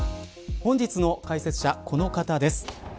本日の解説者、この方です。